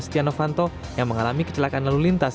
stiano fanto yang mengalami kecelakaan lalu lintas